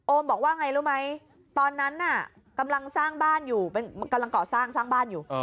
โอมบอกว่าไงรู้ไหมตอนนั้นกำลังก่อสร้างบ้านอยู่